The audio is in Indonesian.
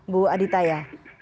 bu adita ya